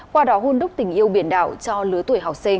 qua đó hôn đúc tình yêu biển đảo cho lứa tuổi học sinh